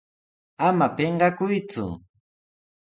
¡Ama pinqakuyku!